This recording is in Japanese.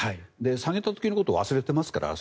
下げた時のことを忘れていますから。